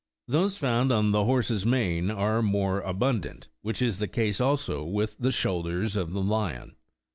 Those found on the horse's mane are more abundant, which is the case also with the shoulders of the lion.